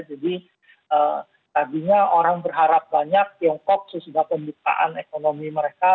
jadi tadinya orang berharap banyak tiongkok sesudah pembukaan ekonomi mereka